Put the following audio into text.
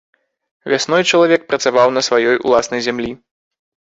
Вясной чалавек працаваў на сваёй уласнай зямлі.